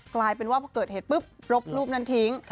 กลายเป็นว่าพอเกิดเหตุปุ๊บรบรูปนั้นทิ้ง